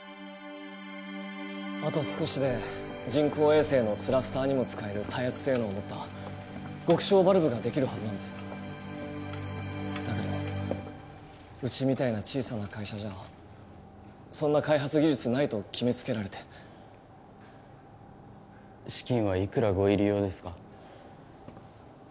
あと少しで人工衛星のスラスターにも使える耐圧性能を持った極小バルブができるはずなんですだけどうちみたいな小さな会社じゃそんな開発技術ないと決めつけられて資金はいくらご入り用ですか？